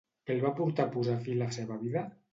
Què el va portar a posar fi a la seva vida?